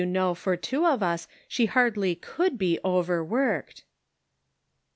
know for two of us she hardly could be over worked."